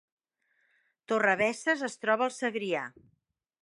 Torrebesses es troba al Segrià